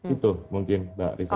itu mungkin mbak ritwanya